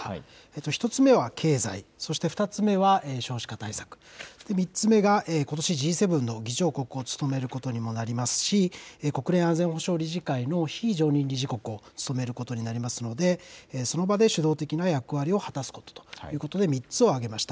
１つ目は経済、そして２つ目は少子化対策、３つ目がことし、Ｇ７の議長国を務めることにもなりますし、国連安全保障理事会の非常任理事国を務めることになりますので、その場で主導的な役割を果たすことということで、３つを挙げました。